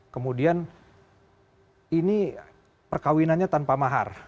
kemudian ini perkawinannya tanpa mahar